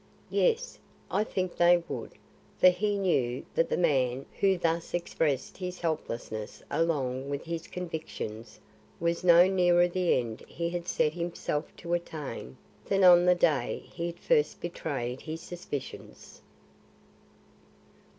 Yes, I think they would; for he knew that the man who thus expressed his helplessness along with his convictions, was no nearer the end he had set himself to attain than on the day he first betrayed his suspicions.